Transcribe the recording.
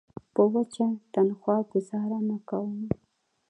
په وچه تنخوا ګوزاره نه کوم.